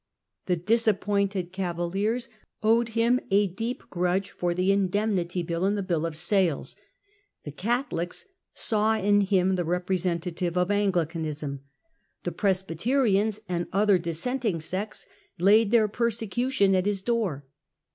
The disappointed cavaliers owed him a deep grudge for the Indemnity Bill and the Bill of Sales ; the Catholics saw in him the representative of Anglicanism ; the Presbyterian? and 1 50 The Fall of Clarendon. 1666. other dissenting sects laid their persecution at his door.